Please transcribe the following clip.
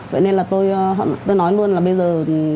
vậy nên là tôi nói luôn là bây giờ